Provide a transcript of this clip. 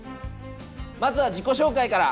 まずは自己紹介から。